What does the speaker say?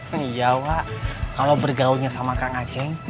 iya wak kalau bergaunya sama kang ajeng